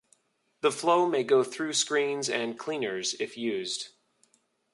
The flow may go through screens and cleaners, if used.